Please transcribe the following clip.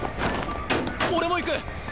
俺も行く！